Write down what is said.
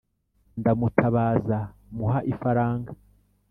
ndamutabaza muha ifaranga.